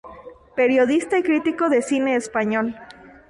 Periodista y crítico de cine español.